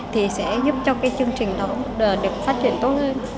thì sẽ giúp cho cái chương trình đó được phát triển tốt hơn